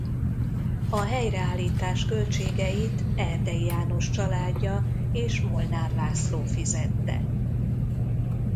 A helyreállítás költségeit Erdei János családja és Molnár László fizette.